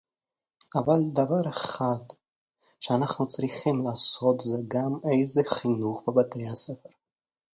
אבל דבר אחד שאנחנו צריכים לעשות זה גם איזה חינוך בבתי-הספר